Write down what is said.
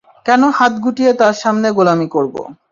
কেন হাত গুটিয়ে তার সামনে গোলামি করবো?